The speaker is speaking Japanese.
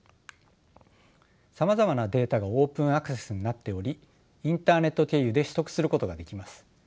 さまざまなデータがオープンアクセスになっておりインターネット経由で取得することができます。